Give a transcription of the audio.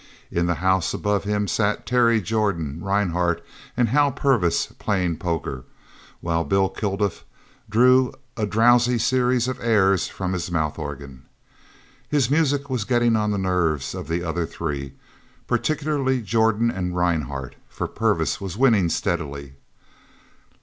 In the house above him sat Terry Jordan, Rhinehart, and Hal Purvis playing poker, while Bill Kilduff drew a drowsy series of airs from his mouth organ. His music was getting on the nerves of the other three, particularly Jordan and Rhinehart, for Purvis was winning steadily.